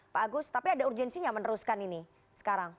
pak agus tapi ada urgensinya meneruskan ini sekarang